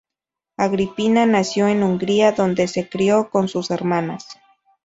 Agripina nació en Hungría, donde se crio con sus hermanas.